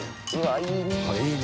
いいね。